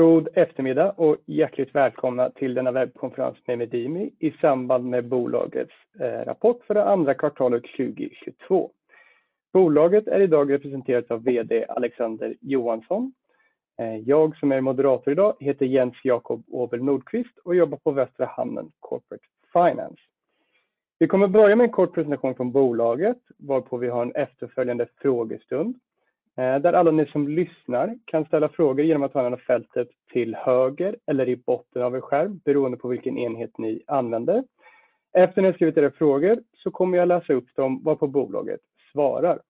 God eftermiddag och hjärtligt välkomna till denna webbkonferens med Medimi i samband med bolagets rapport för det andra kvartalet 2022. Bolaget är i dag representerat av VD Alexander Johansson. Jag som är moderator i dag heter Jens Jacob Åberg Nordkvist och jobbar på Västra Hamnen Corporate Finance. Vi kommer att börja med en kort presentation från bolaget, varpå vi har en efterföljande frågestund, där alla ni som lyssnar kan ställa frågor genom att använda fältet till höger eller i botten av er skärm, beroende på vilken enhet ni använder. Efter ni har skrivit era frågor så kommer jag läsa upp dem varpå bolaget svarar.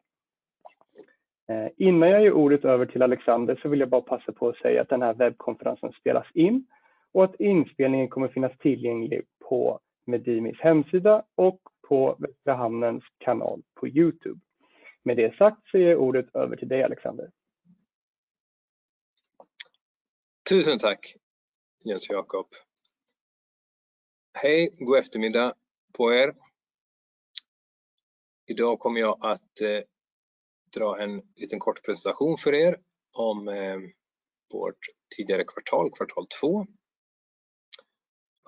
Innan jag ger ordet över till Alexander så vill jag bara passa på att säga att den här webbkonferensen spelas in och att inspelningen kommer att finnas tillgänglig på Medimis hemsida och på Västra Hamnens kanal på YouTube. Med det sagt så ger jag ordet över till dig Alexander. Tusen tack Jens Jacob. Hej, god eftermiddag på er. Idag kommer jag att dra en liten kort presentation för er om vårt tidigare kvartal två.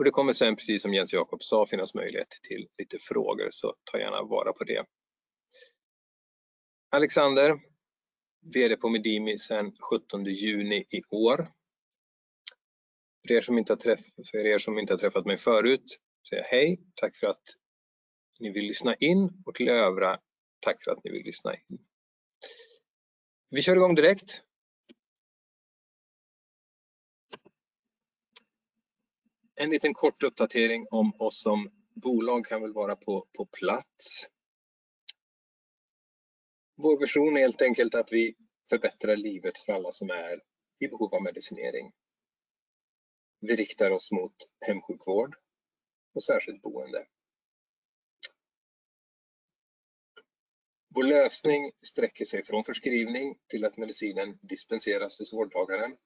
Det kommer sedan precis som Jens Jacob sa finnas möjlighet till lite frågor så ta gärna vara på det. Alexander, VD på Medimi sedan sjuttonde juni i år. För er som inte har träffat mig förut säger hej, tack för att ni vill lyssna in och till övriga tack för att ni vill lyssna in. Vi kör i gång direkt. En liten kort uppdatering om oss som bolag kan väl vara på plats. Vår vision är helt enkelt att vi förbättrar livet för alla som är i behov av medicinering. Vi riktar oss mot hemsjukvård och särskilt boende. Vår lösning sträcker sig från förskrivning till att medicinen dispenseras hos vårdtagaren.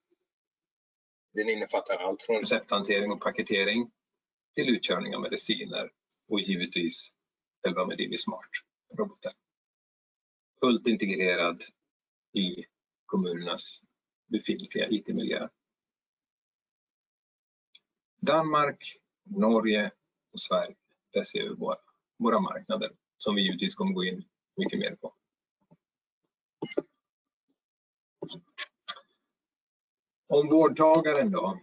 Den innefattar allt från recepthantering och paketering till utkörning av mediciner och givetvis själva Medimi Smart-roboten. Fullt integrerad i kommunernas befintliga IT-miljöer. Danmark, Norge och Sverige, det ser vi våra marknader som vi givetvis kommer gå in mycket mer på. Om vårdtagaren då.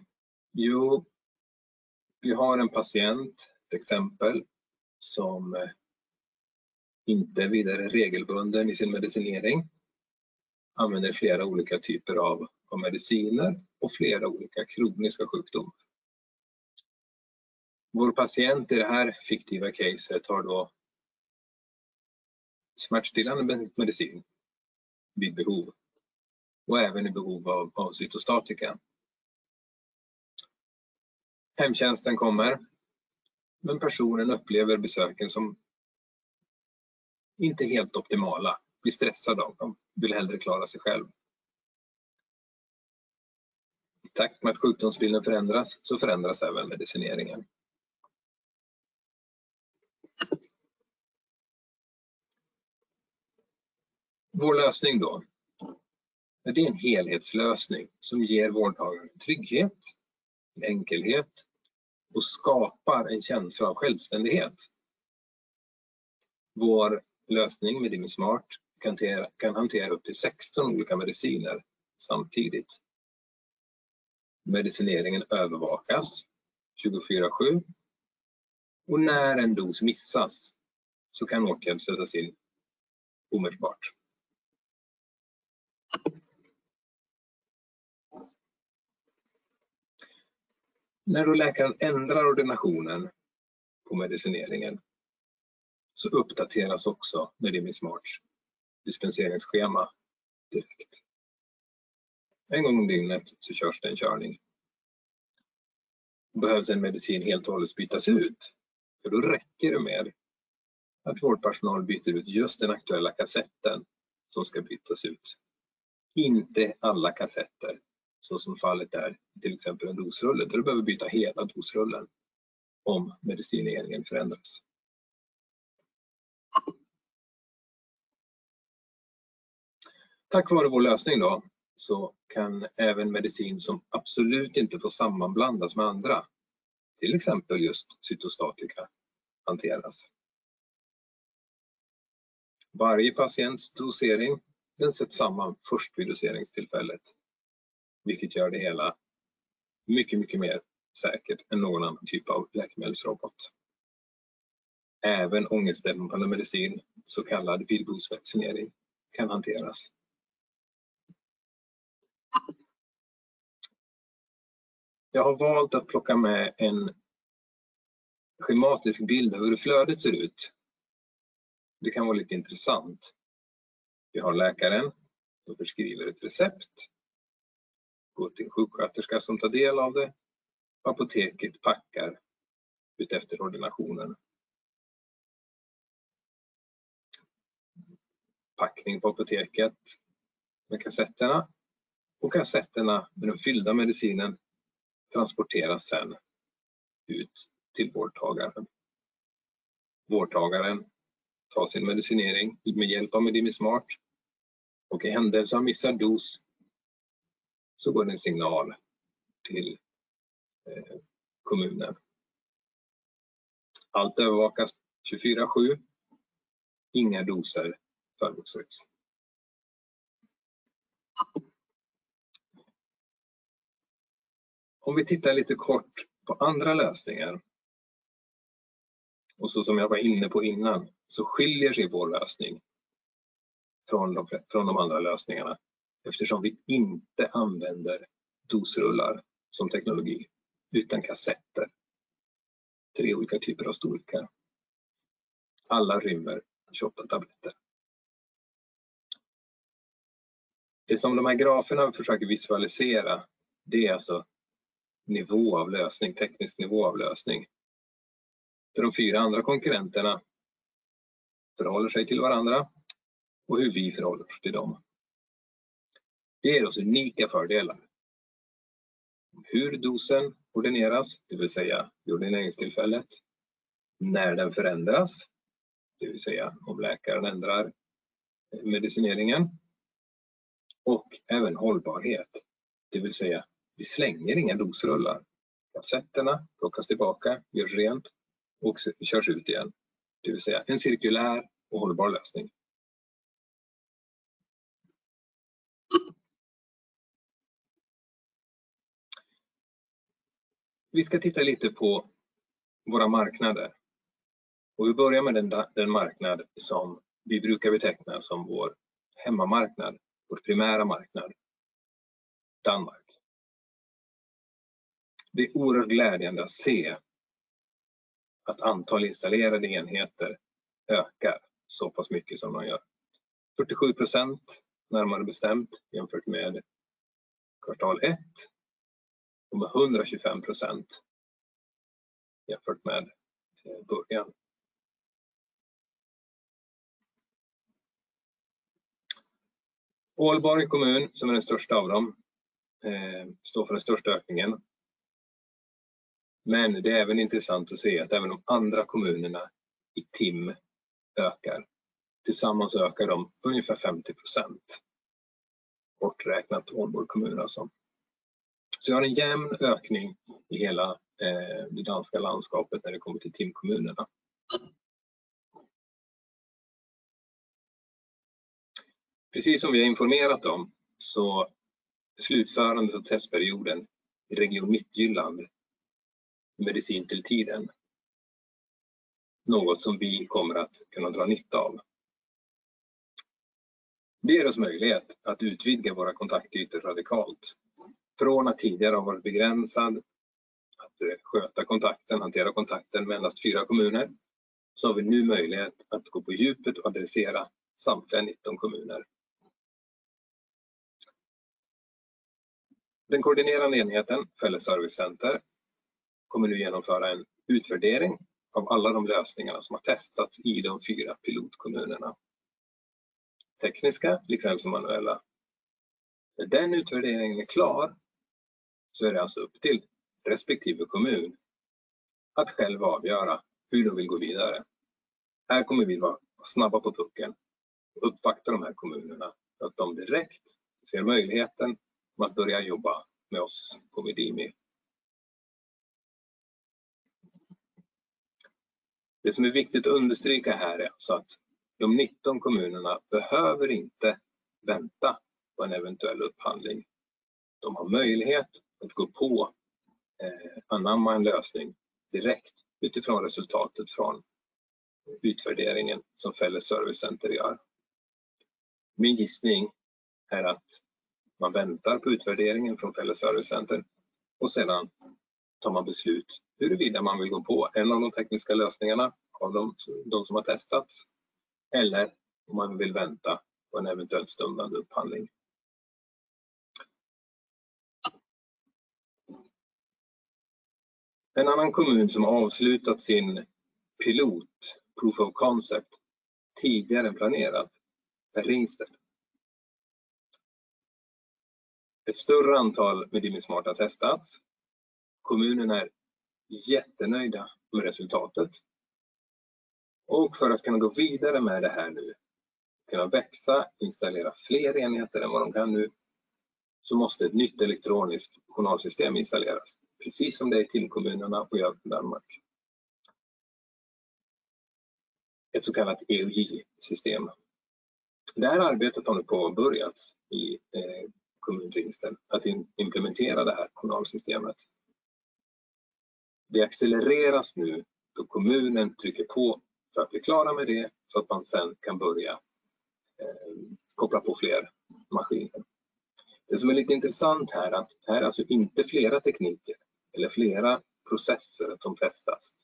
Jo, vi har en patient, till exempel, som inte är vidare regelbunden i sin medicinering, använder flera olika typer av mediciner och flera olika kroniska sjukdomar. Vår patient i det här fiktiva caset har då smärtstillande medicin vid behov och även i behov av cytostatika. Hemtjänsten kommer, men personen upplever besöken som inte helt optimala, blir stressad av dem, vill hellre klara sig själv. I takt med att sjukdomsbilden förändras så förändras även medicineringen. Vår lösning då, det är en helhetslösning som ger vårdtagaren trygghet, enkelhet och skapar en känsla av självständighet. Vår lösning Medimi Smart kan hantera upp till 16 olika mediciner samtidigt. Medicineringen övervakas 24/7 och när en dos missas så kan åtgärd sättas in omedelbart. När läkaren ändrar ordinationen på medicineringen så uppdateras också Medimi Smarts dispenseringsschema direkt. En gång om dygnet så körs det en körning. Behövs en medicin helt och hållet bytas ut, ja då räcker det med att vårdpersonal byter ut just den aktuella kassetten som ska bytas ut. Inte alla kassetter så som fallet är i till exempel en dosrulle. Då behöver byta hela dosrullen om medicineringen förändras. Tack vare vår lösning då så kan även medicin som absolut inte får sammanblandas med andra, till exempel just cytostatika, hanteras. Varje patients dosering, den sätts samman först vid doseringstillfället, vilket gör det hela mycket mer säkert än någon annan typ av läkemedelsrobot. Även ångestdämpande medicin, så kallad vidbehovsmedicinering kan hanteras. Jag har valt att plocka med en schematisk bild av hur flödet ser ut. Det kan vara lite intressant. Vi har läkaren som förskriver ett recept. Går till en sjuksköterska som tar del av det. Apoteket packar utefter ordinationen. Packning på apoteket med kassetterna och kassetterna med den fyllda medicinen transporteras sedan ut till vårdtagaren. Vårdtagaren tar sin medicinering med hjälp av Medimi Smart. I händelse av missad dos så går det en signal till kommunen. Allt övervakas 24/7. Inga doser förloras. Om vi tittar lite kort på andra lösningar. Så som jag var inne på innan, så skiljer sig vår lösning från de andra lösningarna eftersom vi inte använder dosrullar som teknologi, utan kassetter. Tre olika typer av storlekar. Alla rymmer 10 tabletter. Det som de här graferna försöker visualisera, det är alltså nivå av lösning, teknisk nivå av lösning. För de fyra andra konkurrenterna förhåller sig till varandra och hur vi förhåller oss till dem. Det ger oss unika fördelar. Hur dosen ordineras, det vill säga, ordneringstillfället, när den förändras, det vill säga om läkaren ändrar medicineringen och även hållbarhet. Det vill säga, vi slänger ingen dosrulle. Kassetterna plockas tillbaka, görs rent och körs ut igen. Det vill säga en cirkulär och hållbar lösning. Vi ska titta lite på våra marknader. Vi börjar med den marknad som vi brukar beteckna som vår hemmamarknad, vår primära marknad, Danmark. Det är oerhört glädjande att se att antal installerade enheter ökar så pass mycket som man gör. 47%, närmare bestämt, jämfört med kvartal ett och med 125% jämfört med början. Aalborg kommun, som är den största av dem, står för den största ökningen. Men det är även intressant att se att även de andra kommunerna i TIM ökar. Tillsammans ökar de ungefär 50%, borträknat Aalborg kommun alltså. Vi har en jämn ökning i hela det danska landskapet när det kommer till TIM-kommunerna. Precis som vi har informerat om så slutförande av testperioden i Region Midtjylland Medicin til tiden. Något som vi kommer att kunna dra nytta av. Det ger oss möjlighet att utvidga våra kontaktytor radikalt. Från att tidigare ha varit begränsad att sköta kontakten, hantera kontakten med endast 4 kommuner, så har vi nu möjlighet att gå på djupet och adressera samtliga 19 kommuner. Den koordinerande enheten, Fælles Service Center, kommer nu genomföra en utvärdering av alla de lösningar som har testats i de 4 pilotkommunerna. Tekniska likväl som manuella. När den utvärderingen är klar, så är det alltså upp till respektive kommun att själv avgöra hur de vill gå vidare. Här kommer vi vara snabba på tå, uppvakta de här kommunerna för att de direkt ser möjligheten att börja jobba med oss på Medimi. Det som är viktigt att understryka här är alltså att de 19 kommunerna behöver inte vänta på en eventuell upphandling. De har möjlighet att gå på anamma en lösning direkt utifrån resultatet från utvärderingen som Fælles Service Center gör. Min gissning är att man väntar på utvärderingen från Fælles Service Center och sedan tar man beslut huruvida man vill gå på en av de tekniska lösningarna av de som har testats eller om man vill vänta på en eventuell stundande upphandling. En annan kommun som har avslutat sin pilot proof of concept tidigare än planerat är Ringsted. Ett större antal Medimi Smart har testats. Kommunen är jättnöjda med resultatet. För att kunna gå vidare med det här nu, kunna växa, installera fler enheter än vad de kan nu, så måste ett nytt elektroniskt journalsystem installeras. Precis som det är i TIM-kommunerna i Jylland, Danmark. Ett så kallat EPJ-system. Det här arbetet har nu påbörjats i kommun Ringsted att implementera det här journalsystemet. Det accelereras nu då kommunen trycker på för att bli klara med det så att man sen kan börja koppla på fler maskiner. Det som är lite intressant här är att här är alltså inte flera tekniker eller flera processer som testas.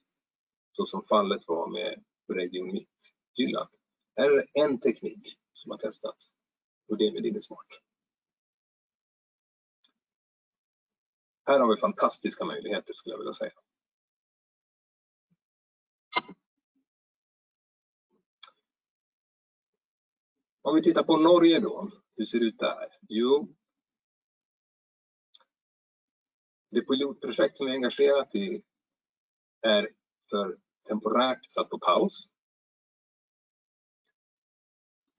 Så som fallet var med Region Midtjylland. Här är det en teknik som har testats och det är Medimi Smart. Här har vi fantastiska möjligheter skulle jag vilja säga. Om vi tittar på Norge då, hur ser det ut där? Jo, det pilotprojekt som vi är engagerat i är för temporärt satt på paus.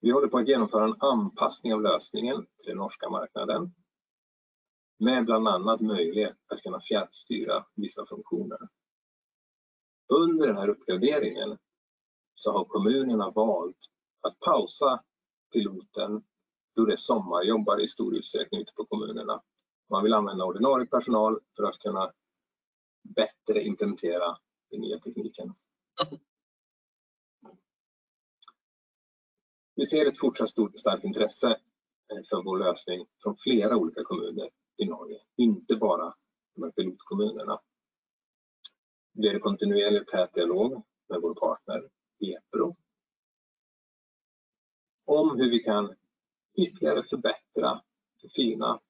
Vi håller på att genomföra en anpassning av lösningen till den norska marknaden, med bland annat möjlighet att kunna fjärrstyra vissa funktioner. Under den här uppgraderingen så har kommunerna valt att pausa piloten då det är sommarjobbare i stor utsträckning ute på kommunerna. Man vill använda ordinarie personal för att kunna bättre implementera den nya tekniken. Vi ser ett fortsatt stort och starkt intresse för vår lösning från flera olika kommuner i Norge, inte bara de här pilotkommunerna. Det är kontinuerlig och tät dialog med vår partner Hepro om hur vi kan ytterligare förbättra, förfina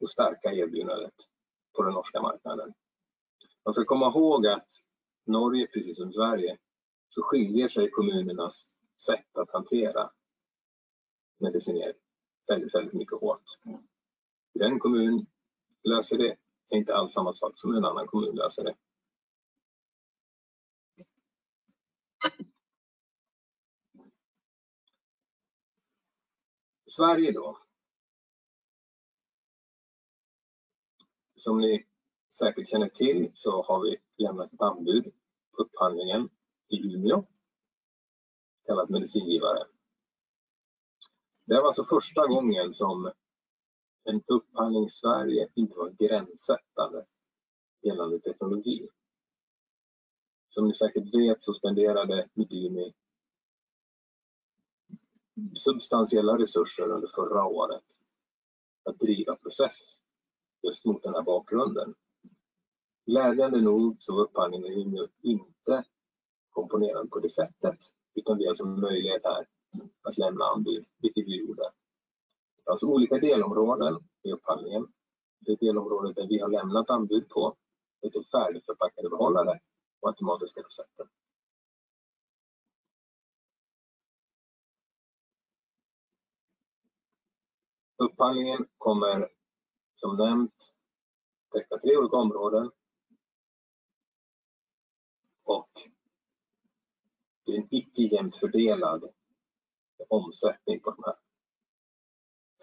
och stärka erbjudandet på den norska marknaden. Man ska komma ihåg att Norge, precis som Sverige, så skiljer sig kommunernas sätt att hantera mediciner väldigt mycket åt. Hur en kommun löser det är inte alls samma sak som hur en annan kommun löser det. Sverige då. Som ni säkert känner till så har vi lämnat anbud på upphandlingen i Umeå, kallat Medicingivare. Det var alltså första gången som en upphandling i Sverige inte var gränssättande gällande teknologi. Som ni säkert vet så spenderade Medimi substantiella resurser under förra året att driva process just mot den här bakgrunden. Glädjande nog så var upphandlingen i Umeå inte komponerad på det sättet, utan vi har alltså möjlighet här att lämna anbud, vilket vi gjorde. Alltså olika delområden i upphandlingen. Det delområdet där vi har lämnat anbud på är då färdigförpackade behållare och automatiska dosetter. Upphandlingen kommer som nämnt täcka tre olika områden och det är en ojämnt fördelad omsättning på de här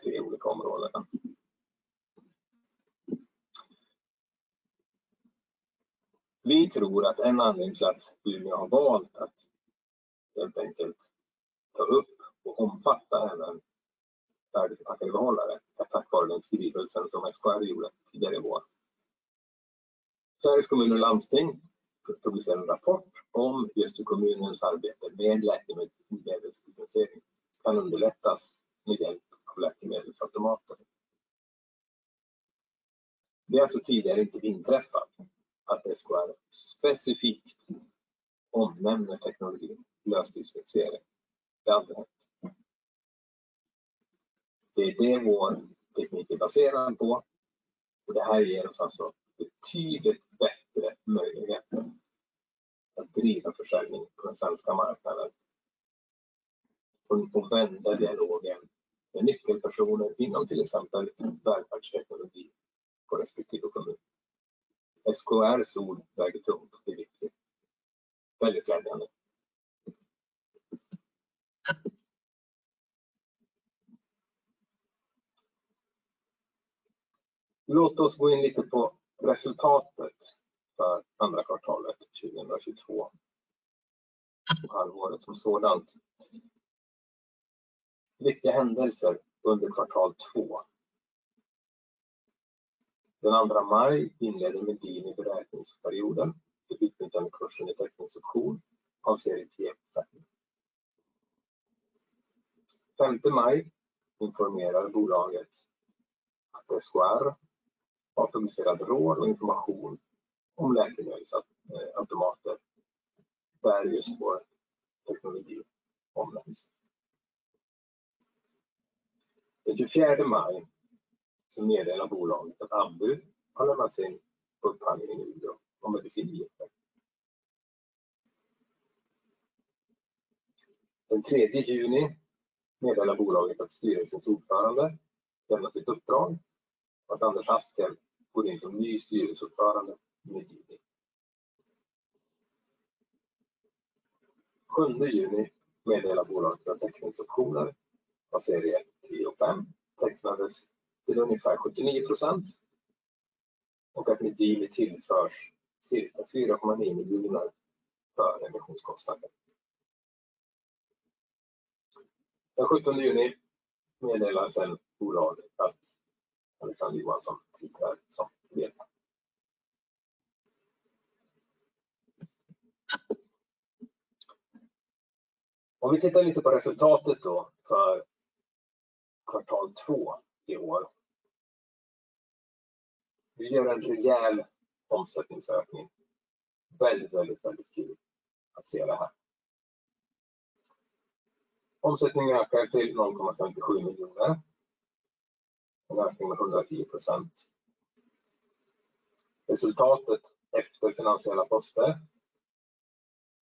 tre olika områdena. Vi tror att en anledning att Umeå har valt att helt enkelt ta upp och omfatta även färdigförpackade behållare är tack vare den skrivelsen som SKR gjorde tidigare i vår. Sveriges Kommuner och Regioner publicerade en rapport om just hur kommunens arbete med läkemedelsdosering kan underlättas med hjälp av läkemedelsautomater. Det har alltså tidigare inte inträffat att SKR specifikt omnämner teknologin lösdispensering. Det har aldrig hänt. Det är det vår teknik är baserad på och det här ger oss alltså betydligt bättre möjligheter att driva försäljning på den svenska marknaden. Vända dialogen med nyckelpersoner inom till exempel välfärdsteknologi på respektive kommun. SKR:s ord väger tungt, det är viktigt. Väldigt glädjande. Låt oss gå in lite på resultatet för andra kvartalet 2022 och halvåret som sådant. Viktiga händelser under kvartal två. Den andra maj inleder Medimi beräkningsperioden i utnyttjande av kursen i teckningsoption av serie T1-5. Femte maj informerar bolaget att SKR har publicerat råd och information om läkemedelsautomater där just vår teknologi omnämns. Den tjugofjärde maj meddelar bolaget att anbud har lämnats in på upphandlingen i Umeå om medicingivare. Den tredje juni meddelar bolaget att styrelsens ordförande lämnar sitt uppdrag och att Anders Haskel går in som ny styrelseordförande i Medimi. Sjunde juni meddelar bolaget att teckningsoptioner av serie tre och fem tecknades till ungefär 79% och att Medimi tillförs cirka SEK 4.9 miljoner före emissionskostnader. Den sjuttonde juni meddelar bolaget att Alexander Johansson tillträder som VD. Om vi tittar lite på resultatet då för kvartal två i år. Vi gör en rejäl omsättningsökning. Väldigt kul att se det här. Omsättningen ökar till SEK 0.54 miljoner. En ökning med 110%. Resultatet efter finansiella poster,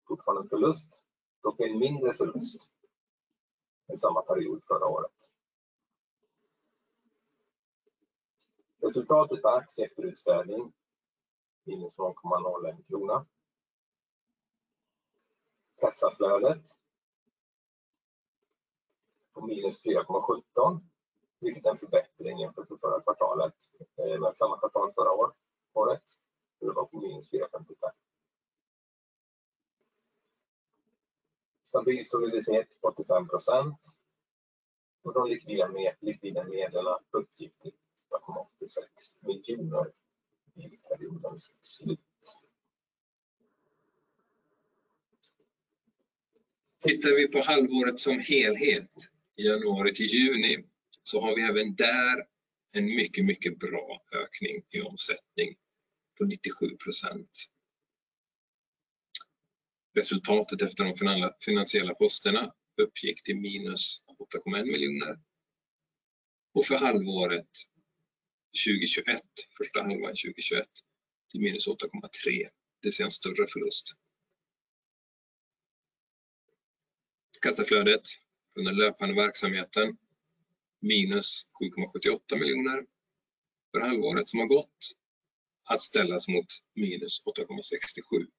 fortfarande förlust, dock en mindre förlust än samma period förra året. Resultatet per aktie efter utspädning, -0.01 SEK. Kassaflödet på SEK -4.17 million, vilket är en förbättring jämfört med samma kvartal förra år. Då det var på SEK -4.55 million. Stabil soliditet 85% och de likvida medlen uppgick till SEK 2.86 million vid periodens slut. Tittar vi på halvåret som helhet i januari till juni så har vi även där en mycket bra ökning i omsättning på 97%. Resultatet efter de finansiella posterna uppgick till SEK -8.1 million. Och för första halvåret 2021 till SEK -8.3 million, det är en mindre förlust. Kassaflödet från den löpande verksamheten, SEK -7.78 million. För halvåret som har gått att ställas mot SEK -8.67 million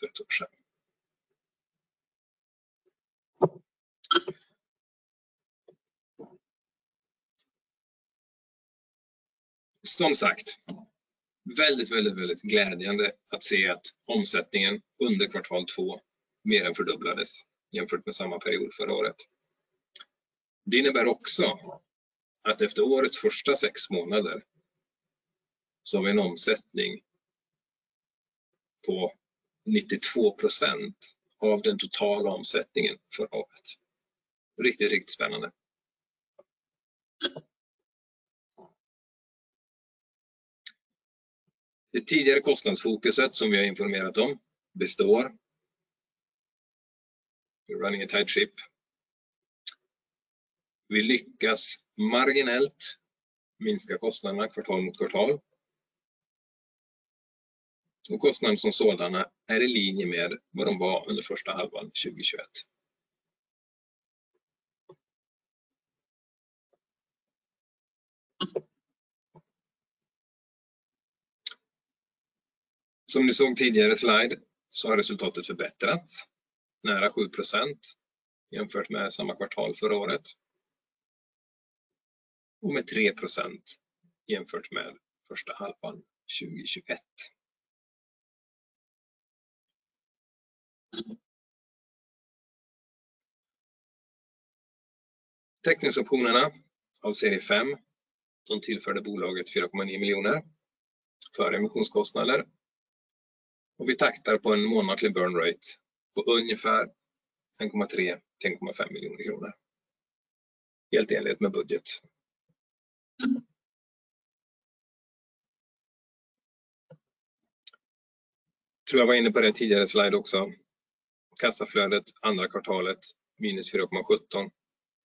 för ett år sedan. Som sagt, väldigt glädjande att se att omsättningen under kvartal två mer än fördubblades jämfört med samma period förra året. Det innebär också att efter årets första sex månader så har vi en omsättning på 92% av den totala omsättningen förra året. Riktigt spännande. Det tidigare kostnadsfokuset som vi har informerat om består. We're running a tight ship. Vi lyckas marginellt minska kostnaderna kvartal mot kvartal. Och kostnader som sådana är i linje med vad de var under första halvan 2021. Som ni såg i tidigare slide så har resultatet förbättrats nära 7% jämfört med samma kvartal förra året. Och med 3% jämfört med första halvan 2021. Teckningsoptionerna av serie fem som tillförde bolaget SEK 4.9 million före emissionskostnader. Och vi taktar på en månatlig burn rate på ungefär SEK 1.3-1.5 million. Helt enligt med budget. Tror jag var inne på det i tidigare slide också. Kassaflödet, andra kvartalet, SEK -4.17.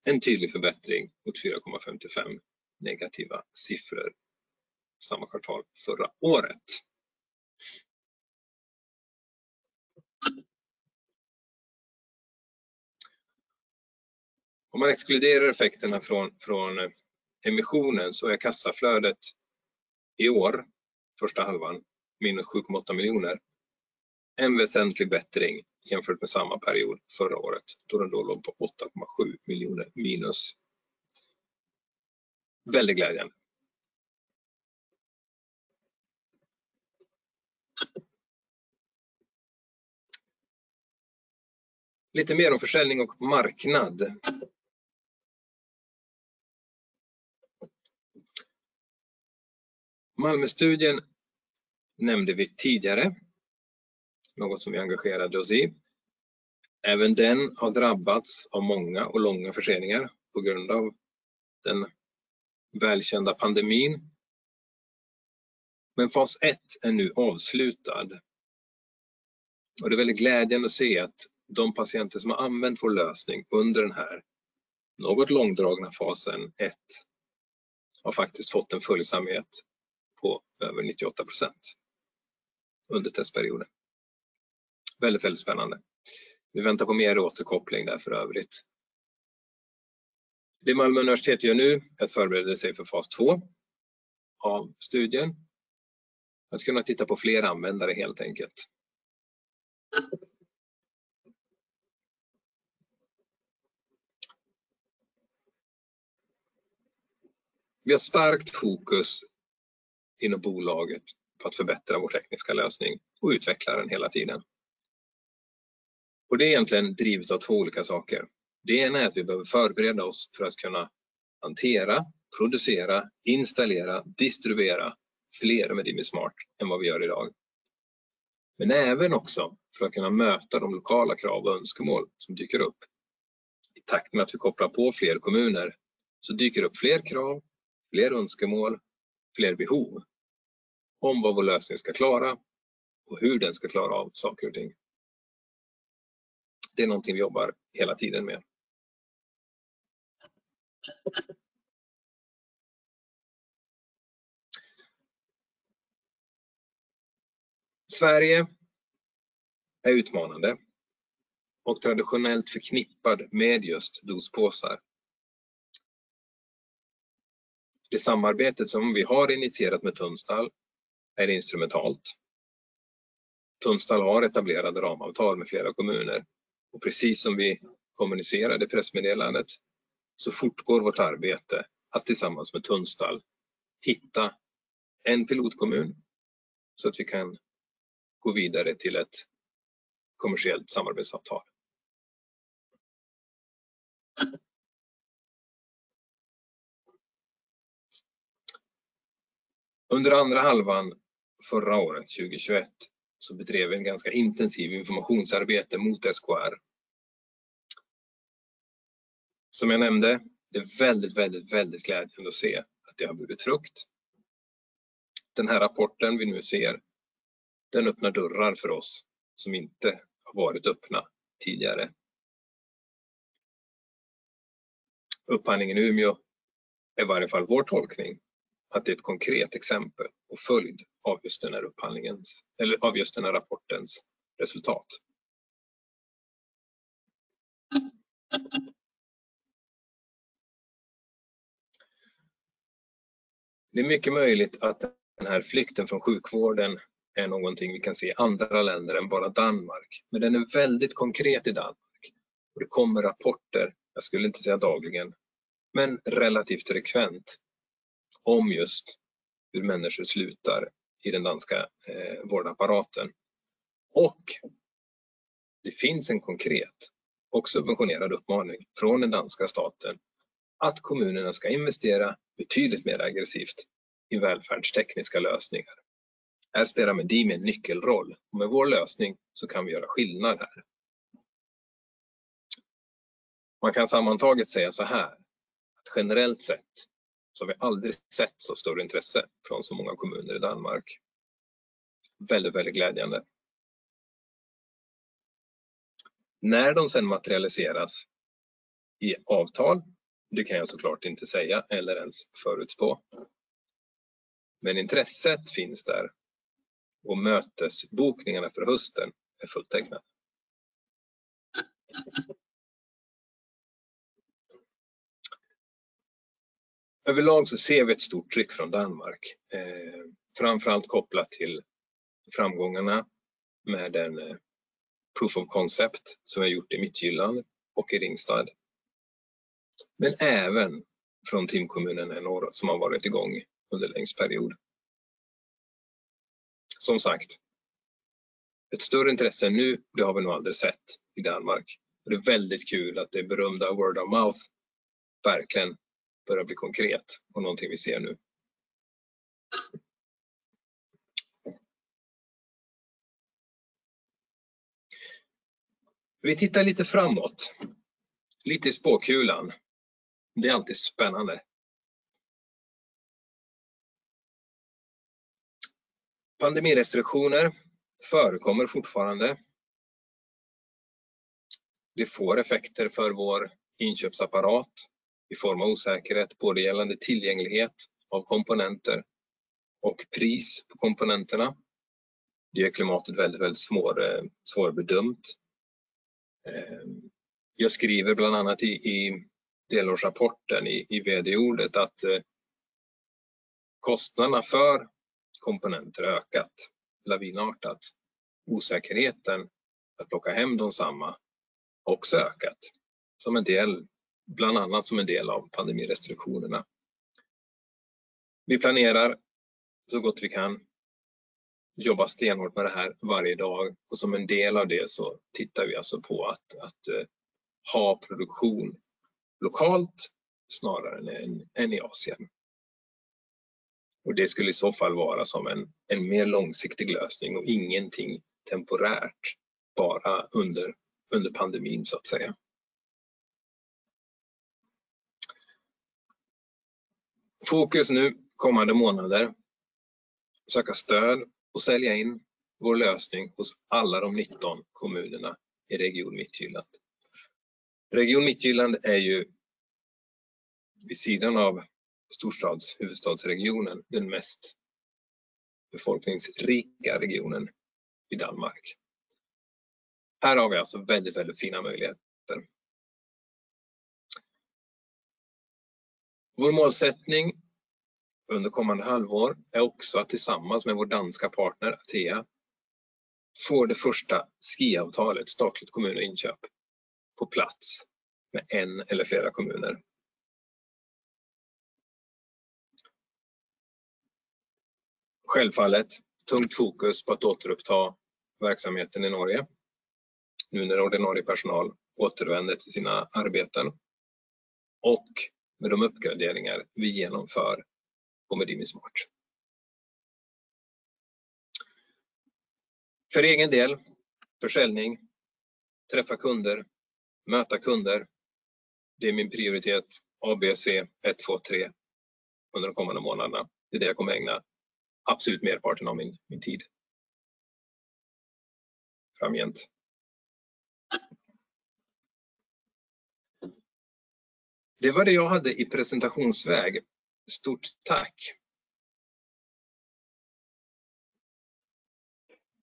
En tydlig förbättring mot 4.55 negativa siffror samma kvartal förra året. Om man exkluderar effekterna från emissionen så är kassaflödet i år, första halvan, SEK -7.8 miljoner. En väsentlig bättring jämfört med samma period förra året då den låg på SEK 8.7 miljoner minus. Väldigt glädjande. Lite mer om försäljning och marknad. Malmöstudien nämnde vi tidigare. Något som vi engagerade oss i. Även den har drabbats av många och långa förseningar på grund av den välkända pandemin. Fas ett är nu avslutad. Det är väldigt glädjande att se att de patienter som har använt vår lösning under den här något långdragna fasen ett har faktiskt fått en följsamhet på över 98% under testperioden. Väldigt, väldigt spännande. Vi väntar på mer återkoppling där för övrigt. Det Malmö University gör nu är att förbereda sig för fas två av studien. Att kunna titta på flera användare helt enkelt. Vi har starkt fokus inom bolaget på att förbättra vår tekniska lösning och utveckla den hela tiden. Det är egentligen drivet av två olika saker. Det ena är att vi behöver förbereda oss för att kunna hantera, producera, installera, distribuera fler Medimi Smart än vad vi gör i dag. Även också för att kunna möta de lokala krav och önskemål som dyker upp. I takt med att vi kopplar på fler kommuner så dyker upp fler krav, fler önskemål, fler behov om vad vår lösning ska klara och hur den ska klara av saker och ting. Det är någonting vi jobbar hela tiden med. Sverige är utmanande och traditionellt förknippad med just dospåsar. Det samarbetet som vi har initierat med Tunstall är instrumentalt. Tunstall har etablerade ramavtal med flera kommuner. Precis som vi kommunicerade i pressmeddelandet så fortgår vårt arbete att tillsammans med Tunstall hitta en pilotkommun så att vi kan gå vidare till ett kommersiellt samarbetsavtal. Under andra halvan förra året, 2021, så bedrev vi en ganska intensiv informationsarbete mot SKR. Som jag nämnde, det är väldigt glädjande att se att det har burit frukt. Den här rapporten vi nu ser, den öppnar dörrar för oss som inte har varit öppna tidigare. Upphandlingen i Umeå är i varje fall vår tolkning att det är ett konkret exempel och följd av just den här upphandlingens eller av just den här rapportens resultat. Det är mycket möjligt att den här flykten från sjukvården är någonting vi kan se i andra länder än bara Danmark. Den är väldigt konkret i Danmark. Det kommer rapporter, jag skulle inte säga dagligen, men relativt frekvent om just hur människor slutar i den danska vårdapparaten. Det finns en konkret och subventionerad uppmaning från den danska staten att kommunerna ska investera betydligt mer aggressivt i välfärdstekniska lösningar. Här spelar Medimi en nyckelroll och med vår lösning så kan vi göra skillnad här. Man kan sammantaget säga såhär, att generellt sett så har vi aldrig sett så stort intresse från så många kommuner i Danmark. Väldigt, väldigt glädjande. När de sedan materialiseras i avtal, det kan jag så klart inte säga eller ens förutspå. Intresset finns där och mötesbokningarna för hösten är fulltecknad. Överlag så ser vi ett stort tryck från Danmark, framför allt kopplat till framgångarna med den proof of concept som vi har gjort i Midtjylland och i Ringsted. Även från TIM-kommunen Älvåsen som har varit i gång under längst period. Som sagt, ett större intresse nu, det har vi nog aldrig sett i Danmark. Det är väldigt kul att det berömda word of mouth verkligen börja bli konkret och någonting vi ser nu. Vi tittar lite framåt, lite i spåkulan. Det är alltid spännande. Pandemirestriktioner förekommer fortfarande. Det får effekter för vår inköpsapparat i form av osäkerhet, både gällande tillgänglighet av komponenter och pris på komponenterna. Det gör klimatet väldigt svårbedömt. Jag skriver bland annat i delårsrapporten i vd-ordet att kostnaderna för komponenter ökat lavinartat. Osäkerheten att plocka hem dem samma också ökat, bland annat som en del av pandemirestriktionerna. Vi planerar så gott vi kan jobba stenhårt med det här varje dag och som en del av det så tittar vi alltså på att ha produktion lokalt snarare än i Asien. Det skulle i så fall vara som en mer långsiktig lösning och ingenting temporärt bara under pandemin så att säga. Fokus nu kommande månader, söka stöd och sälja in vår lösning hos alla de 19 kommunerna i Region Midtjylland. Region Midtjylland är ju vid sidan av storstadsregionen, huvudstadsregionen den mest befolkningsrika regionen i Danmark. Här har vi alltså väldigt fina möjligheter. Vår målsättning under kommande halvår är också att tillsammans med vår danska partner Atea få det första SKI-avtalet, statligt kommuninköp, på plats med en eller flera kommuner. Självfallet tungt fokus på att återuppta verksamheten i Norge nu när ordinarie personal återvänder till sina arbeten och med de uppgraderingar vi genomför på Medimi Smart. För egen del, försäljning, träffa kunder, möta kunder, det är min prioritet A, B, C, 1, 2, 3 under de kommande månaderna. Det är det jag kommer att ägna absolut merparten av min tid åt. Framgent. Det var det jag hade i presentationsväg. Stort tack.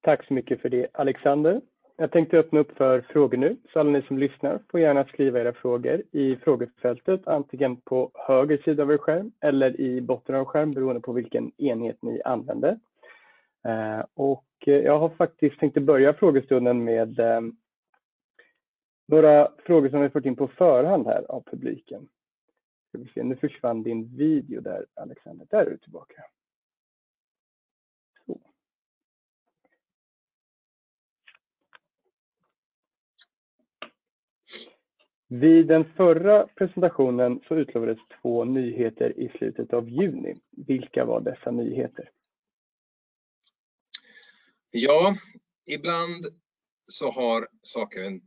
Tack så mycket för det Alexander. Jag tänkte öppna upp för frågor nu. Alla ni som lyssnar får gärna skriva era frågor i frågefältet, antingen på höger sida av er skärm eller i botten av skärmen, beroende på vilken enhet ni använder. Jag har faktiskt tänkt att börja frågestunden med några frågor som vi har fått in på förhand här av publiken. Nu försvann din video där Alexander. Där är du tillbaka. Vid den förra presentationen så utlovades två nyheter i slutet av juni. Vilka var dessa nyheter? Ja, ibland så har saker och ting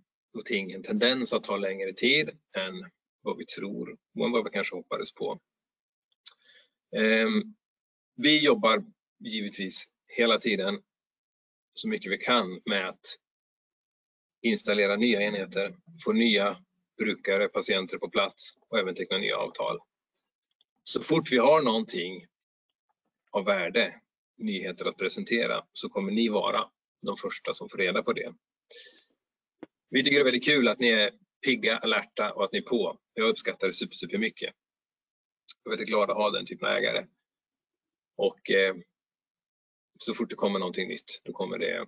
en tendens att ta längre tid än vad vi tror och än vad vi kanske hoppades på. Vi jobbar givetvis hela tiden så mycket vi kan med att installera nya enheter, få nya brukare, patienter på plats och även teckna nya avtal. Så fort vi har någonting av värde, nyheter att presentera, så kommer ni vara de första som får reda på det. Vi tycker det är väldigt kul att ni är pigga, alerta och att ni är på. Jag uppskattar det super, supermycket. Vi är väldigt glada att ha den typen av ägare. Så fort det kommer någonting nytt, då kommer det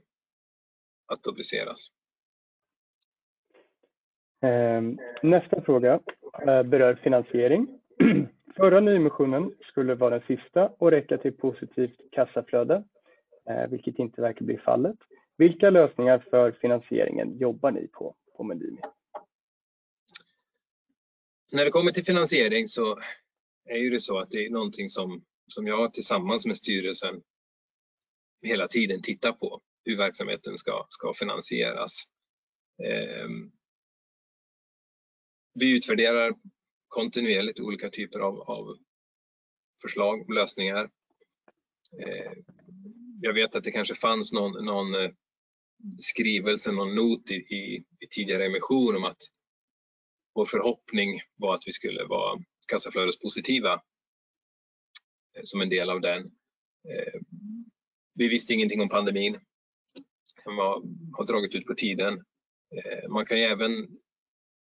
att publiceras. Nästa fråga berör finansiering. Förra nyemissionen skulle vara den sista och räcka till positivt kassaflöde, vilket inte verkar bli fallet. Vilka lösningar för finansieringen jobbar ni på Medimi? När det kommer till finansiering så är ju det så att det är någonting som jag tillsammans med styrelsen hela tiden tittar på hur verksamheten ska finansieras. Vi utvärderar kontinuerligt olika typer av förslag, lösningar. Jag vet att det kanske fanns någon skrivelse, någon not i tidigare emission om att vår förhoppning var att vi skulle vara kassaflödespositiva som en del av den. Vi visste ingenting om pandemin som har dragit ut på tiden. Man kan ju även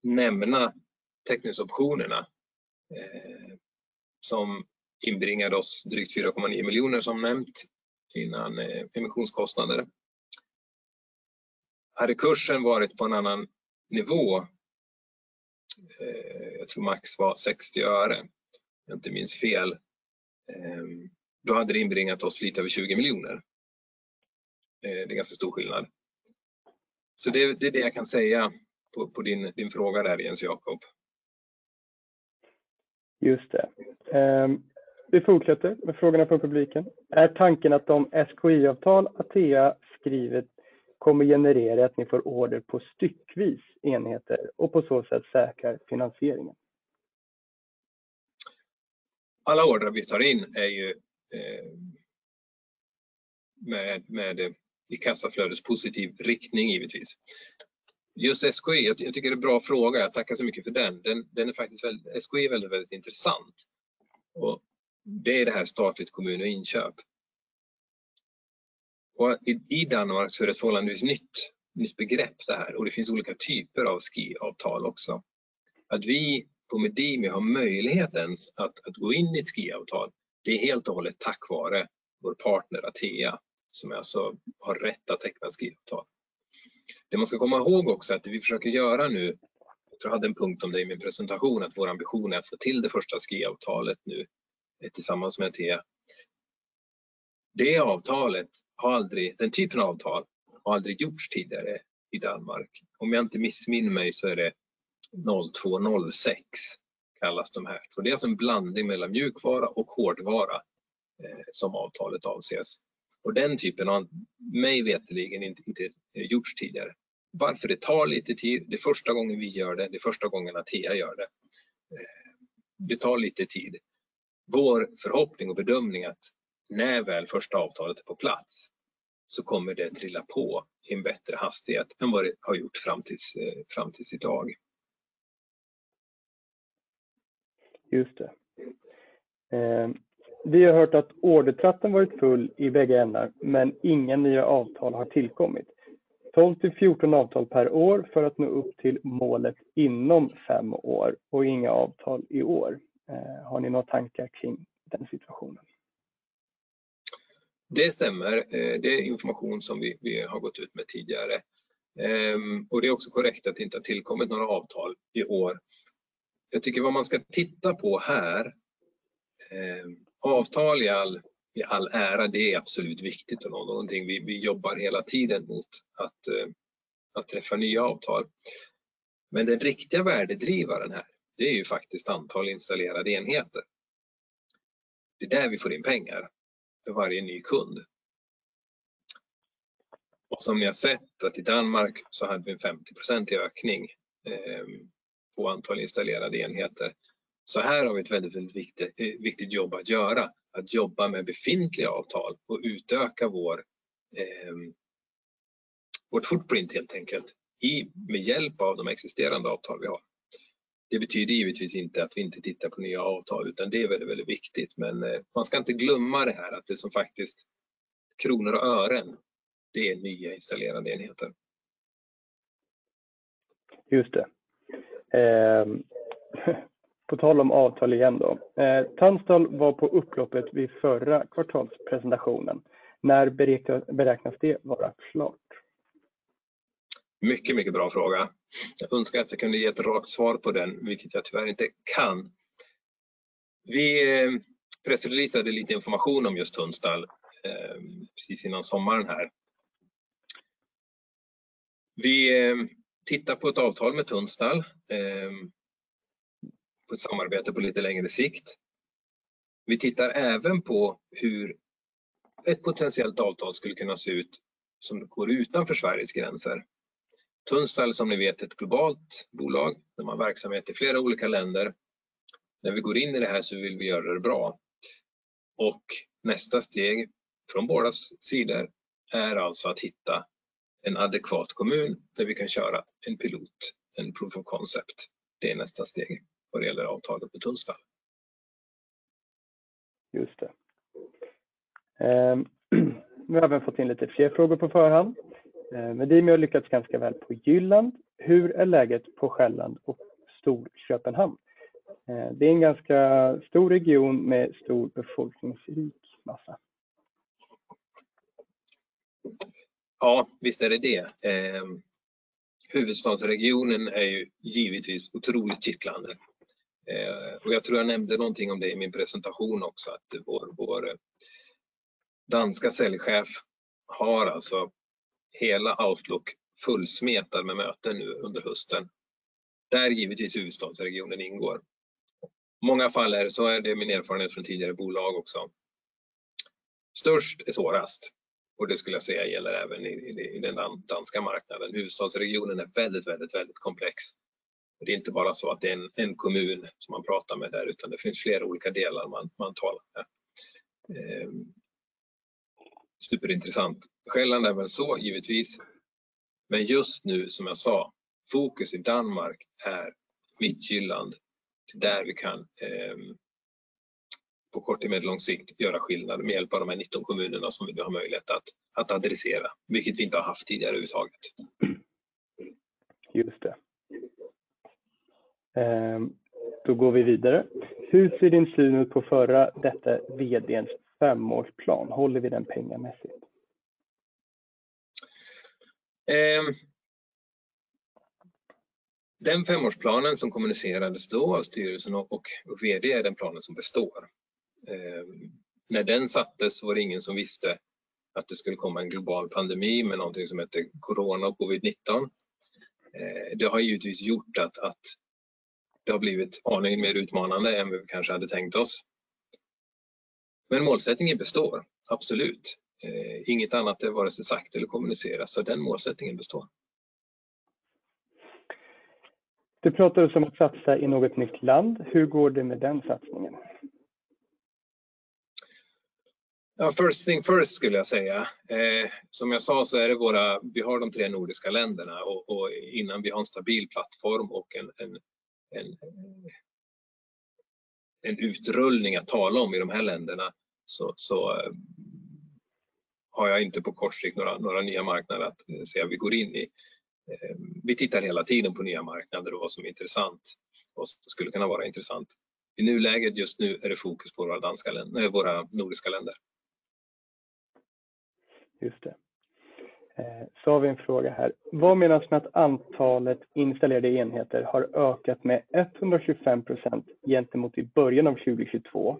nämna teckningsoptionerna som inbringade oss drygt SEK 4.9 miljoner som nämnt innan emissionskostnader. Hade kursen varit på en annan nivå, jag tror max var SEK 0.60, om jag inte minns fel. Då hade det inbringat oss lite över SEK 20 miljoner. Det är ganska stor skillnad. Det är det jag kan säga på din fråga där Jens Jacob Åberg Nordkvist. Just det. Vi fortsätter med frågorna från publiken. Är tanken att de SKI-avtal Atea skrivit kommer generera att ni får order på styckvis enheter och på så sätt säkrar finansieringen? Alla order vi tar in är ju med i kassaflödespositiv riktning givetvis. Just SKI, jag tycker det är en bra fråga. Jag tackar så mycket för den. Den är faktiskt SKI är väldigt intressant. Det är det här statligt kommun och inköp. I Danmark så är det ett förhållandevis nytt begrepp det här. Det finns olika typer av SKI-avtal också. Att vi på Medimi har möjlighet ens att gå in i ett SKI-avtal, det är helt och hållet tack vare vår partner Atea som alltså har rätt att teckna SKI-avtal. Det man ska komma ihåg också att det vi försöker göra nu, jag tror jag hade en punkt om det i min presentation, att vår ambition är att få till det första SKI-avtalet nu tillsammans med Atea. Den typen av avtal har aldrig gjorts tidigare i Danmark. Om jag inte missminner mig så är det 0206 kallas de här. Det är alltså en blandning mellan mjukvara och hårdvara som avtalet avses. Den typen har mig veterligen inte gjorts tidigare. Varför? Det tar lite tid. Det är första gången vi gör det är första gången Atea gör det. Det tar lite tid. Vår förhoppning och bedömning att när väl första avtalet är på plats så kommer det trilla på i en bättre hastighet än vad det har gjort fram tills i dag. Just det. Vi har hört att ordertratten varit full i bägge ändar, men inga nya avtal har tillkommit. 12-14 avtal per år för att nå upp till målet inom 5 år och inga avtal i år. Har ni några tankar kring den situationen? Det stämmer. Det är information som vi har gått ut med tidigare. Det är också korrekt att det inte har tillkommit några avtal i år. Jag tycker vad man ska titta på här. Avtal i all, i all ära, det är absolut viktigt och någonting vi jobbar hela tiden mot att träffa nya avtal. Men den riktiga värdedrivaren här, det är ju faktiskt antal installerade enheter. Det är där vi får in pengar för varje ny kund. Som ni har sett att i Danmark så hade vi en 50% ökning på antal installerade enheter. Så här har vi ett väldigt viktigt jobb att göra. Att jobba med befintliga avtal och utöka vårt footprint helt enkelt. Med hjälp av de existerande avtal vi har. Det betyder givetvis inte att vi inte tittar på nya avtal, utan det är väldigt viktigt. Man ska inte glömma det här att det som faktiskt kronor och ören, det är nya installerade enheter. Just det. På tal om avtal igen då. Tunstall var på upploppet vid förra kvartalspresentationen. När beräknas det vara klart? Mycket, mycket bra fråga. Jag önskar att jag kunde ge ett rakt svar på den, vilket jag tyvärr inte kan. Vi pressreleasade lite information om just Tunstall precis innan sommaren här. Vi tittar på ett avtal med Tunstall på ett samarbete på lite längre sikt. Vi tittar även på hur ett potentiellt avtal skulle kunna se ut som går utanför Sveriges gränser. Tunstall, som ni vet, är ett globalt bolag. De har verksamhet i flera olika länder. När vi går in i det här så vill vi göra det bra. Nästa steg från bådas sidor är alltså att hitta en adekvat kommun där vi kan köra en pilot, en proof of concept. Det är nästa steg vad det gäller avtalet på Tunstall. Nu har vi fått in lite fler frågor på förhand. Medimi har lyckats ganska väl på Jylland. Hur är läget på Själland och Storköpenhamn? Det är en ganska stor region med stor befolkningsmassa. Ja, visst är det det. Huvudstadsregionen är ju givetvis otroligt kittlande. Och jag tror jag nämnde någonting om det i min presentation också att vår danska säljchef har alltså hela outlook fullsmetad med möten nu under hösten. Där givetvis huvudstadsregionen ingår. I många fall är det så är det min erfarenhet från tidigare bolag också. Störst är svårast och det skulle jag säga gäller även i den danska marknaden. Huvudstadsregionen är väldigt komplex. Det är inte bara så att det är en kommun som man pratar med där, utan det finns flera olika delar man talar med. Superintressant. Själland är väl så givetvis. Men just nu, som jag sa, fokus i Danmark är Mittjylland. Där vi kan på kort till medellång sikt göra skillnad med hjälp av de här 19 kommunerna som vi har möjlighet att adressera, vilket vi inte har haft tidigare överhuvudtaget. Just det. Då går vi vidare. Hur ser din syn ut på förra, detta VD:ns femårsplan? Håller vi den pengamässigt? Den femårsplanen som kommunicerades då av styrelsen och VD är den planen som består. När den sattes var det ingen som visste att det skulle komma en global pandemi med någonting som hette Corona och Covid-19. Det har givetvis gjort att det har blivit aningen mer utmanande än vi kanske hade tänkt oss. Målsättningen består, absolut. Inget annat är vare sig sagt eller kommunicerat, så den målsättningen består. Du pratar ju som att satsa i något nytt land. Hur går det med den satsningen? Ja, first things first skulle jag säga. Som jag sa så är det våra vi har de tre nordiska länderna och innan vi har en stabil plattform och en utrullning att tala om i de här länderna så har jag inte på kort sikt några nya marknader att säga vi går in i. Vi tittar hela tiden på nya marknader och vad som är intressant och skulle kunna vara intressant. I nuläget just nu är det fokus på våra nordiska länder. Just det. Så har vi en fråga här. Vad menas med att antalet installerade enheter har ökat med 125% gentemot i början av 2022?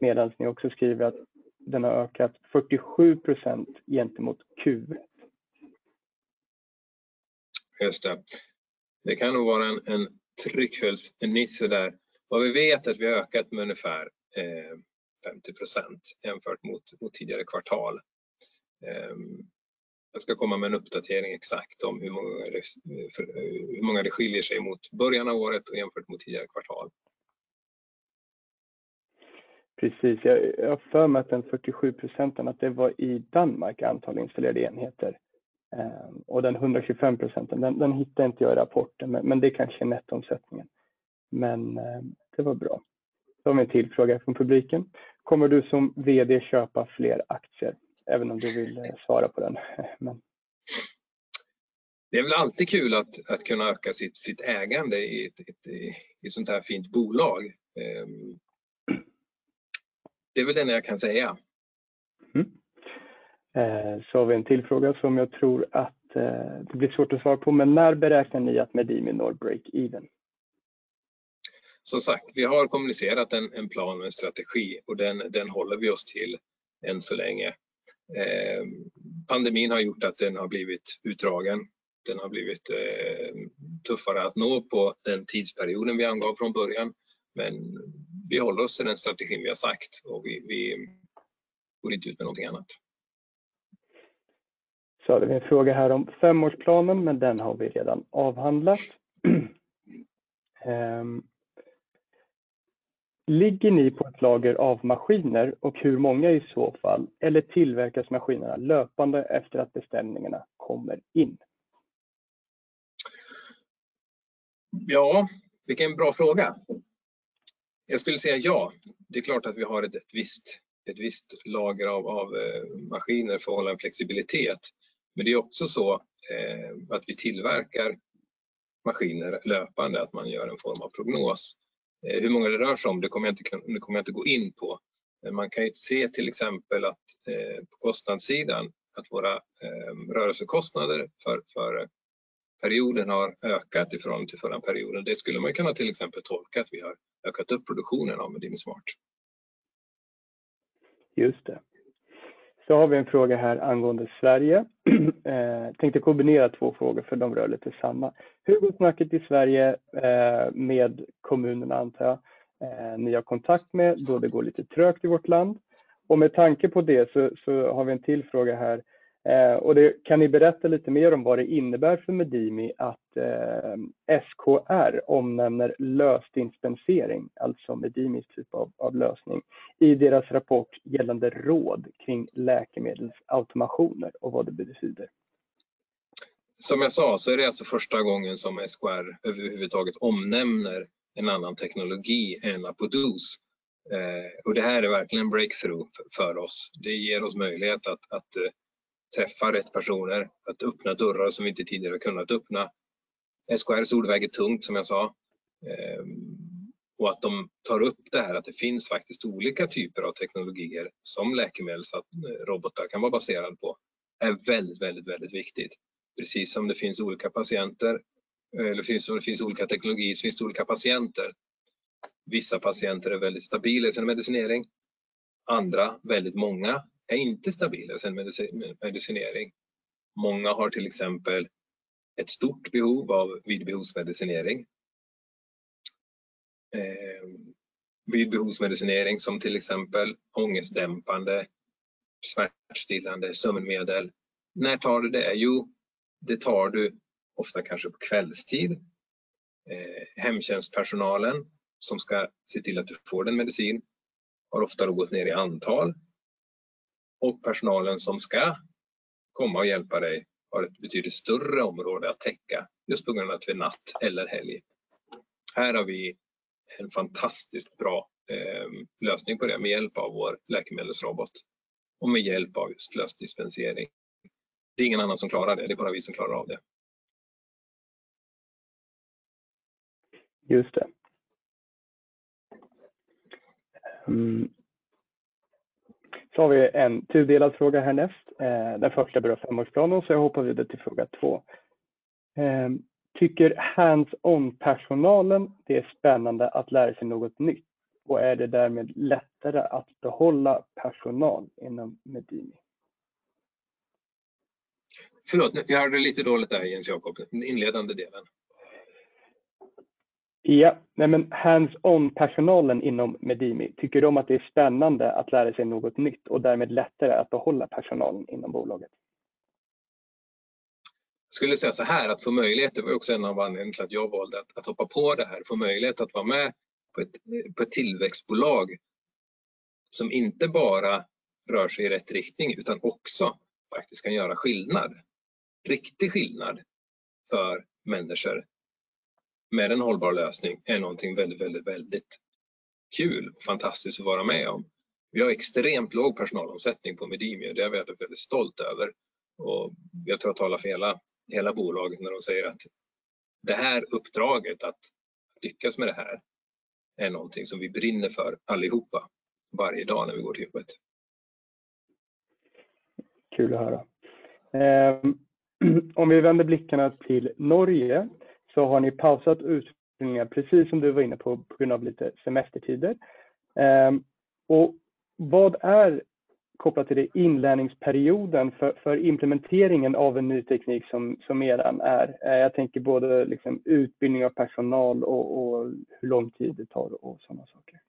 Medans ni också skriver att den har ökat 47% gentemot Q1. Just det. Det kan nog vara en tryckfelsnisse där. Vad vi vet är att vi har ökat med ungefär 50% jämfört mot tidigare kvartal. Jag ska komma med en uppdatering exakt om hur många det skiljer sig mot början av året och jämfört mot tidigare kvartal. Precis. Jag har för mig att den 47 procenten, att det var i Danmark antalet installerade enheter. Den 125 procenten, den hittar inte jag i rapporten, men det är kanske nettoomsättningen. Det var bra. Har vi en till fråga från publiken. Kommer du som vd köpa fler aktier? Även om du vill svara på den, men. Det är väl alltid kul att kunna öka sitt ägande i ett sådant här fint bolag. Det är väl det enda jag kan säga. Har vi en till fråga som jag tror att det blir svårt att svara på, men när beräknar ni att Medimi når break even? Som sagt, vi har kommunicerat en plan och en strategi och den håller vi oss till än så länge. Pandemin har gjort att den har blivit utdragen. Den har blivit tuffare att nå på den tidsperioden vi angav från början. Vi håller oss till den strategin vi har sagt och vi går inte ut med någonting annat. Hade vi en fråga här om femårsplanen, men den har vi redan avhandlat. Ligger ni på ett lager av maskiner och hur många i så fall? Eller tillverkas maskinerna löpande efter att beställningarna kommer in? Ja, vilken bra fråga. Jag skulle säga ja, det är klart att vi har ett visst lager av maskiner för att hålla en flexibilitet. Det är också så att vi tillverkar maskiner löpande, att man gör en form av prognos. Hur många det rör sig om, det kommer jag inte gå in på. Man kan se till exempel att på kostnadssidan att våra rörelsekostnader för perioden har ökat från till förra perioden. Det skulle man kunna till exempel tolka att vi har ökat upp produktionen av Medimi Smart. Just det. Har vi en fråga här angående Sverige. Tänkte kombinera två frågor för de rör lite samma. Hur går samarbete i Sverige med kommunerna antar jag, ni har kontakt med då det går lite trögt i vårt land. Med tanke på det så har vi en till fråga här. Det kan ni berätta lite mer om vad det innebär för Medimi att SKR omnämner lösdispensering, alltså Medimis typ av lösning, i deras rapport gällande råd kring läkemedelsautomationer och vad det betyder. Som jag sa, så är det alltså första gången som SKR överhuvudtaget omnämner en annan teknologi än Apodos. Och det här är verkligen en breakthrough för oss. Det ger oss möjlighet att träffa rätt personer, att öppna dörrar som vi inte tidigare kunnat öppna. SKR:s ord väger tungt som jag sa. Och att de tar upp det här, att det finns faktiskt olika typer av teknologier som läkemedelsrobotar kan vara baserad på är väldigt viktigt. Precis som det finns olika teknologier, så finns det olika patienter. Vissa patienter är väldigt stabila i sin medicinering, andra, väldigt många, är inte stabila i sin medicinering. Många har till exempel ett stort behov av vid behovsmedicinering. Vid behovsmedicinering som till exempel ångestdämpande, smärtstillande, sömnmedel. När tar du det? Jo, det tar du ofta kanske på kvällstid. Hemtjänstpersonalen som ska se till att du får den medicin har ofta då gått ner i antal och personalen som ska komma och hjälpa dig har ett betydligt större område att täcka, just på grund av att det är natt eller helg. Här har vi en fantastiskt bra lösning på det med hjälp av vår läkemedelsrobot och med hjälp av just lösdispensering. Det är ingen annan som klarar det är bara vi som klarar av det. Just det. Har vi en tudelad fråga här näst. Den första berör femårsplanen, så jag hoppar vidare till fråga 2. Tycker hands-on-personalen det är spännande att lära sig något nytt? Är det därmed lättare att behålla personal inom Medimi? Förlåt, jag hörde lite dåligt där Jens Jacob, den inledande delen. Ja, nej men hands-on-personalen inom Medimi, tycker de att det är spännande att lära sig något nytt och därmed lättare att behålla personalen inom bolaget? Jag skulle säga såhär, att få möjlighet, det var också en av anledningarna till att jag valde att hoppa på det här, få möjlighet att vara med på ett tillväxtbolag som inte bara rör sig i rätt riktning, utan också faktiskt kan göra skillnad. Riktig skillnad för människor med en hållbar lösning är någonting väldigt, väldigt kul och fantastiskt att vara med om. Vi har extremt låg personalomsättning på Medimi och det är jag väldigt stolt över. Och jag tror jag talar för hela bolaget när de säger att det här uppdraget att lyckas med det här är någonting som vi brinner för allihopa varje dag när vi går till jobbet. Kul att höra. Om vi vänder blickarna till Norge, så har ni pausat utrullningen, precis som du var inne på grund av lite semestertider. Vad är, kopplat till det, inlärningsperioden för implementeringen av en ny teknik som eran är? Jag tänker både liksom utbildning av personal och hur lång tid det tar och sådana saker.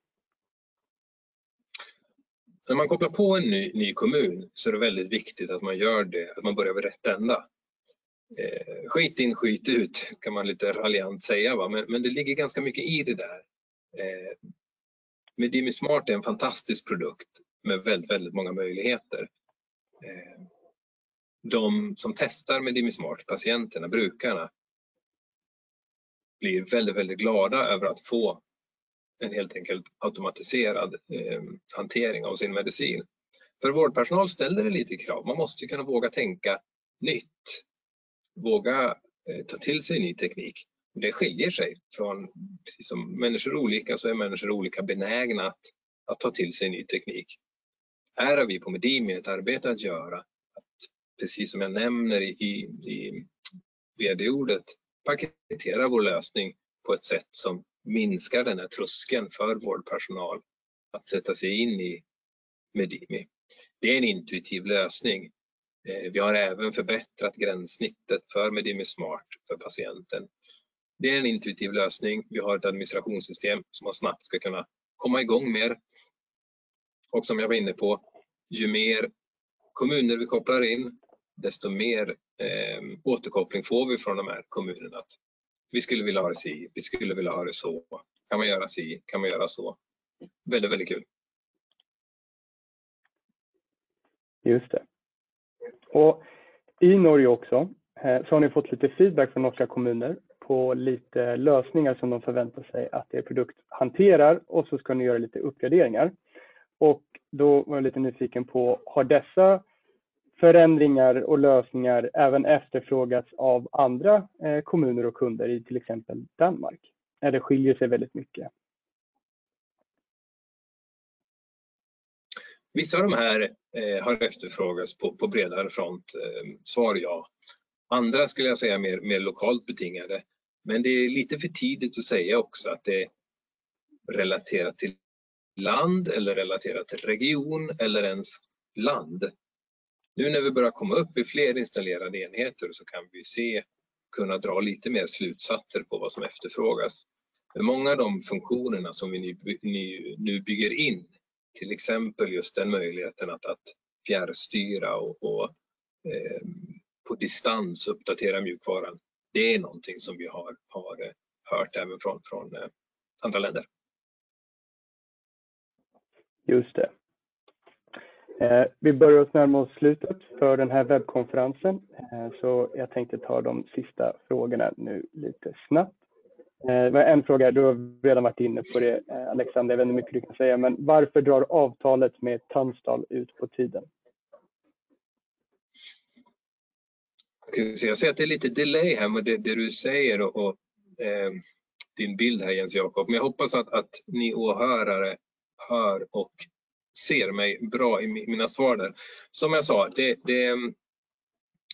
När man kopplar på en ny kommun så är det väldigt viktigt att man gör det, att man börjar vid rätt ända. Skit in, skit ut kan man lite raljant säga va, men det ligger ganska mycket i det där. Medimi Smart är en fantastisk produkt med väldigt många möjligheter. De som testar Medimi Smart, patienterna, brukarna, blir väldigt glada över att få en helt enkelt automatiserad hantering av sin medicin. För vårdpersonal ställer det lite krav. Man måste kunna våga tänka nytt, våga ta till sig ny teknik. Det skiljer sig från, precis som människor är olika, så är människor olika benägna att ta till sig ny teknik. Här har vi på Medimi ett arbete att göra. Precis som jag nämner i VD-ordet, paketera vår lösning på ett sätt som minskar den här tröskeln för vårdpersonal att sätta sig in i Medimi. Det är en intuitiv lösning. Vi har även förbättrat gränssnittet för Medimi Smart för patienten. Vi har ett administrationssystem som snabbt ska kunna komma i gång med. Som jag var inne på, ju mer kommuner vi kopplar in, desto mer återkoppling får vi från de här kommunerna. Att vi skulle vilja ha det så, vi skulle vilja ha det så. Kan man göra så? Kan man göra så? Väldigt kul. Just det. I Norge också så har ni fått lite feedback från norska kommuner på lite lösningar som de förväntar sig att er produkt hanterar och så ska ni göra lite uppgraderingar. Då var jag lite nyfiken på: har dessa förändringar och lösningar även efterfrågats av andra kommuner och kunder i till exempel Danmark? Eller skiljer sig väldigt mycket? Vissa av de här har efterfrågats på bredare front. Svar ja. Andra skulle jag säga mer lokalt betingade. Det är lite för tidigt att säga också att det är relaterat till land eller relaterat till region eller ens land. Nu när vi börjar komma upp i fler installerade enheter så kan vi se, kunna dra lite mer slutsatser på vad som efterfrågas. Många av de funktionerna som vi nu bygger in, till exempel just den möjligheten att fjärrstyra och på distans uppdatera mjukvaran, det är någonting som vi har hört även från andra länder. Just det. Vi börjar oss närma oss slutet för den här webbkonferensen. Jag tänkte ta de sista frågorna nu lite snabbt. En fråga, du har redan varit inne på det, Alexander. Jag vet inte hur mycket du kan säga, men varför drar avtalet med Tunstall ut på tiden? Ska vi se, jag ser att det är lite delay här med det du säger och din bild här Jens Jacob. Jag hoppas att ni åhörare hör och ser mig bra i mina svar där. Som jag sa,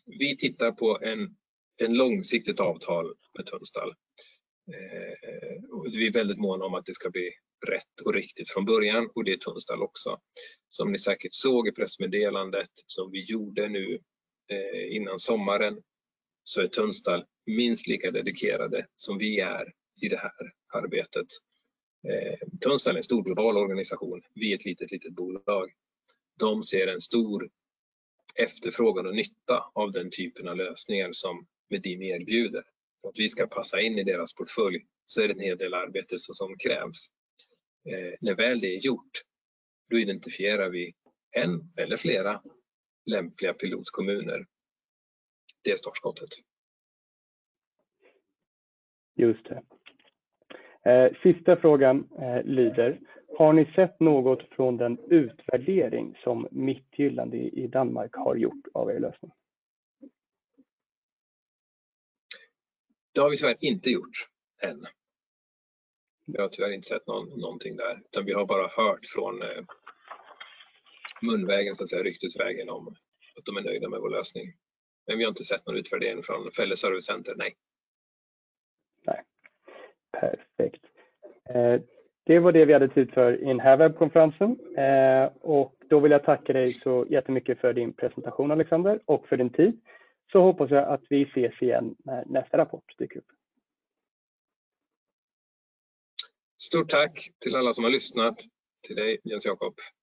Vi tittar på ett långsiktigt avtal med Tunstall. Vi är väldigt måna om att det ska bli rätt och riktigt från början och det är Tunstall också. Som ni säkert såg i pressmeddelandet som vi gjorde nu innan sommaren, så är Tunstall minst lika dedikerade som vi är i det här arbetet. Tunstall är en stor global organisation. Vi är ett litet bolag. De ser en stor efterfrågan och nytta av den typen av lösningar som Medimi erbjuder. För att vi ska passa in i deras portfölj så är det en hel del arbete som krävs. När väl det är gjort, då identifierar vi en eller flera lämpliga pilotkommuner. Det är startskottet. Just det. Sista frågan lyder: har ni sett något från den utvärdering som Region Midtjylland i Danmark har gjort av er lösning? Det har vi tyvärr inte gjort än. Vi har tyvärr inte sett någon, någonting där, utan vi har bara hört från munvägen så att säga, ryktesvägen om att de är nöjda med vår lösning. Vi har inte sett någon utvärdering från Fælles Service Center, nej. Nej, perfekt. Det var det vi hade tid för i den här webbkonferensen. Då vill jag tacka dig så jättemycket för din presentation, Alexander, och för din tid. Hoppas jag att vi ses igen när nästa rapport dyker upp. Stort tack till alla som har lyssnat, till dig Jens Jacob Åberg Nordkvist.